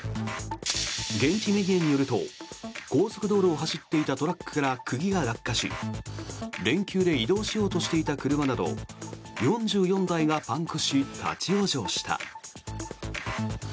現地メディアによると高速道路を走っていたトラックから釘が落下し連休で移動しようとしていた車など４４台がパンクし立ち往生した。